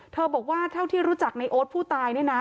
บอกว่าเท่าที่รู้จักในโอ๊ตผู้ตายเนี่ยนะ